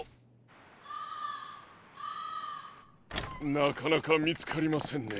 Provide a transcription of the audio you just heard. なかなかみつかりませんね。